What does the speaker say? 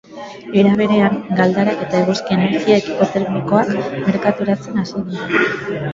Era berean, galdarak eta eguzki energia ekipo termikoak merkaturatzen hasi dira.